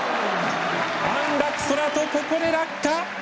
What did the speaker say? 安楽宙斗、ここで落下！